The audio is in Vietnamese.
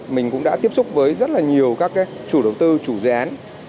mình cũng đã tiếp xúc với rất là nhiều các chủ đầu tư chủ dự án